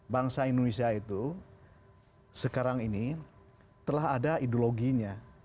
bangsa indonesia itu sekarang ini telah ada ideologinya